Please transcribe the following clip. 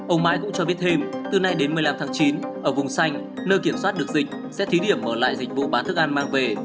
ông mãi cũng cho biết thêm từ nay đến một mươi năm tháng chín ở vùng xanh nơi kiểm soát được dịch sẽ thí điểm mở lại dịch vụ bán thức ăn mang về